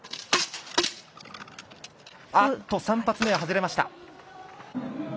３発目が外れました。